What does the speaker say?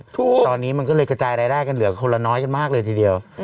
ตอนนี้มันก็เลยกระจายรายได้กันเหลือคนละน้อยกันมากเลยทีเดียว